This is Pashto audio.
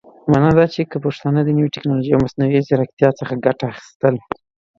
معنا دا چې که پښتانهٔ د نوې ټيکنالوژۍ او مصنوعي ځيرکتيا څخه ګټه اخيستل